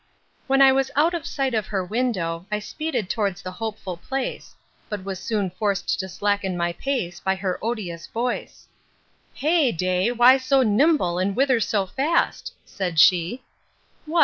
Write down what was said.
When I was out of sight of her window, I speeded towards the hopeful place; but was soon forced to slacken my pace, by her odious voice: Hey day, why so nimble, and whither so fast? said she: What!